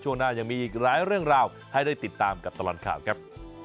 หน้ายังมีอีกหลายเรื่องราวให้ได้ติดตามกับตลอดข่าวครับ